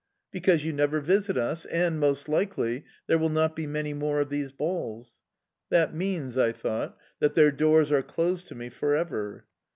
"Because you never visit us and, most likely, there will not be many more of these balls." "That means," I thought, "that their doors are closed to me for ever."